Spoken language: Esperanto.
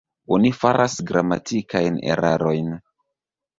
Oni faras gramatikajn erarojn.